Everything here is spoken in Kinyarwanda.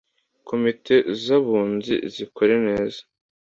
Komite z Abunzi zikore neza